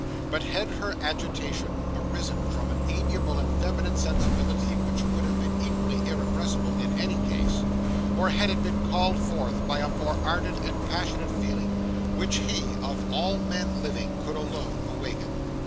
But had her agitation arisen from an amiable and feminine sensibility which would have been equally irrepressible in any case; or had it been called forth by a more ardent and passionate feeling, which he, of all men living, could alone awaken?